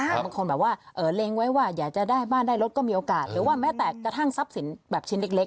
แต่บางคนแบบว่าเล็งไว้ว่าอยากจะได้บ้านได้รถก็มีโอกาสหรือว่าแม้แต่กระทั่งทรัพย์สินแบบชิ้นเล็ก